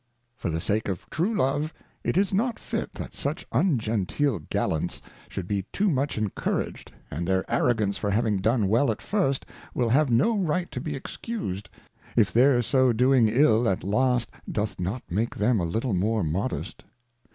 For the sake of true Love, it is not fit that such ungenteel Gallants should be too much encourag'd ; and their Arrogance for having done well at first, will have no right to be excused. if their so doing ill at last doth not make them a little more modest.